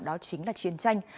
đó chính là chiến tranh